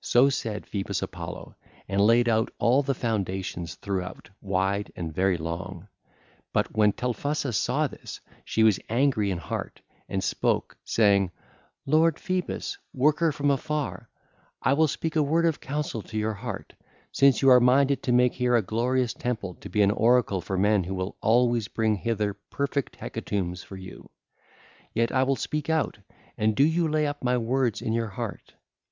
(ll. 254 276) So said Phoebus Apollo, and laid out all the foundations throughout, wide and very long. But when Telphusa saw this, she was angry in heart and spoke, saying: 'Lord Phoebus, worker from afar, I will speak a word of counsel to your heart, since you are minded to make here a glorious temple to be an oracle for men who will always bring hither perfect hecatombs for you; yet I will speak out, and do you lay up my words in your heart.